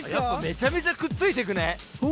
めちゃめちゃくっついてくね。